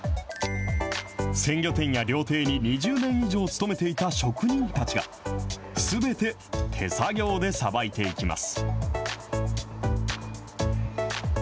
鮮魚店や料亭に２０年以上勤めていた職人たちが、すべて手作業でさばいていきます。